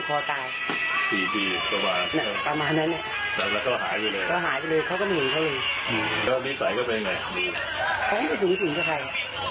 เค้าไม่สูงสิงกับใคร